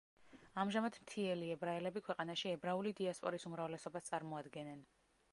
ამჟამად მთიელი ებრაელები ქვეყანაში ებრაული დიასპორის უმრავლესობას წარმოადგენენ.